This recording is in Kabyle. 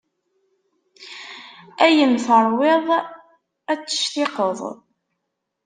Ayen teṛwiḍ, ad t-tectiqeḍ.